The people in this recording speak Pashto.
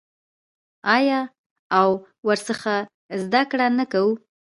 آیا او ورڅخه زده کړه نه کوو؟